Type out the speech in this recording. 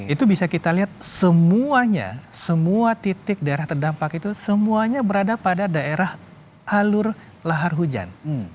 itu bisa kita lihat semuanya semua titik daerah terdampak itu semuanya berada pada daerah alur lahar hujan